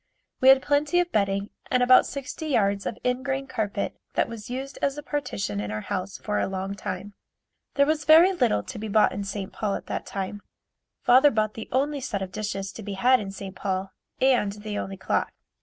We had plenty of bedding and about sixty yards of ingrain carpet that was used as a partition in our house for a long time. There was very little to be bought in St. Paul at that time. Father bought the only set of dishes to be had in St. Paul and the only clock.